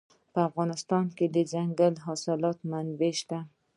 په افغانستان کې د دځنګل حاصلات منابع شته.